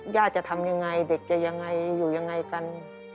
ย่าจะทำอย่างไรเด็กจะอย่างไรอยู่อย่างไรกัน